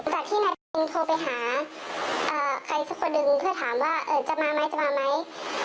ตั้งแต่ที่แนดินโทรไปหาใครสักคนหนึ่งเพื่อถามว่าจะมาไหม